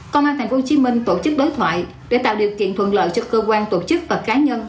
công an tp hcm tổ chức đối thoại để tạo điều kiện thuận lợi cho cơ quan tổ chức và cá nhân